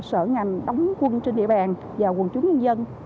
sở ngành đóng quân trên địa bàn và quân chúng nhân dân